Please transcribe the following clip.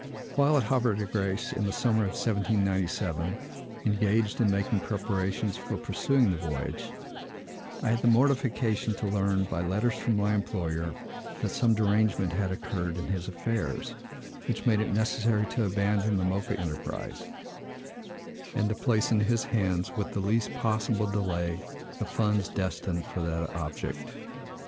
While at Havre de Grâce, in the summer of 1797, engaged in making preparations for pursuing the voyage, I had the mortification to learn, by letters from my employer, that some derangement had occurred in his affairs, which made it necessary to abandon the Mocha enterprise, and to place in his hands, with the least possible delay, the funds destined for that object.